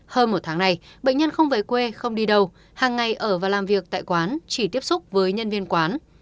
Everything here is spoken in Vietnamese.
hơn một tháng này bệnh nhân không về quê không đi đâu hàng ngày ở và làm việc tại quán chỉ tiếp xúc với nhân viên quán